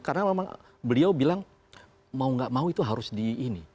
karena memang beliau bilang mau nggak mau itu harus di ini